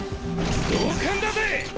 同感だぜっ！